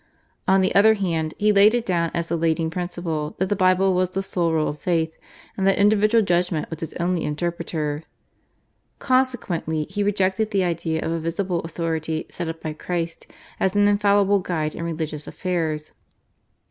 On the other hand, he laid it down as the leading principle that the Bible was the sole rule of faith, and that individual judgment was its only interpreter. Consequently he rejected the idea of a visible authority set up by Christ as an infallible guide in religious affairs.